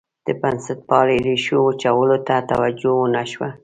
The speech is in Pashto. د بنسټپالنې ریښو وچولو ته توجه ونه شوه.